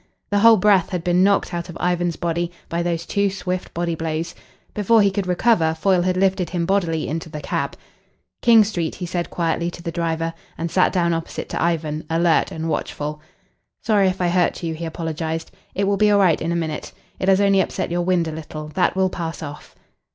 The whole breath had been knocked out of Ivan's body by those two swift body blows. Before he could recover, Foyle had lifted him bodily into the cab. "King Street," he said quietly to the driver, and sat down opposite to Ivan, alert and watchful. "Sorry if I hurt you," he apologised. "It will be all right in a minute. It has only upset your wind a little. That will pass off."